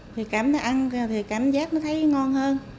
thì cảm thấy ăn thì cảm giác nó thấy ngon hơn